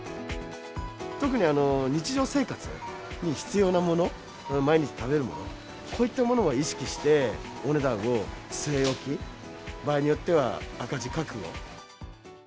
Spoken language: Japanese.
特に日常生活に必要なもの、毎日食べるもの、こういったものは意識して、お値段を据え置き、場合によっては赤字覚悟。